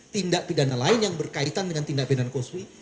tindak pidana lain yang berkaitan dengan tindak pidana koswi